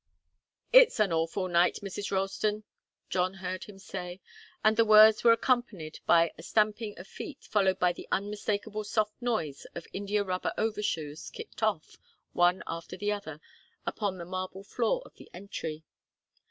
"It's an awful night, Mrs. Ralston," John heard him say, and the words were accompanied by a stamping of feet, followed by the unmistakable soft noise of india rubber overshoes kicked off, one after the other, upon the marble floor of the entry.